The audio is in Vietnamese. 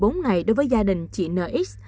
một mươi bốn ngày đối với gia đình chị nx